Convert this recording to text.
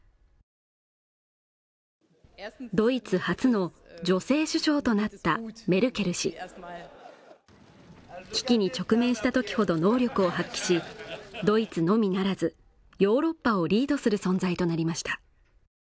いや、ドイツ初の女性首相となったメルケル氏は危機に直面したときほど能力を発揮し、ドイツのみならずヨーロッパをリードする存在となりました